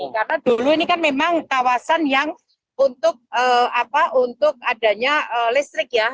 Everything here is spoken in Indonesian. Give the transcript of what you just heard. karena dulu ini kan memang kawasan yang untuk adanya listrik ya